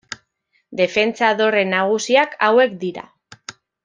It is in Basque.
Defentsa dorre nagusiak hauek dira.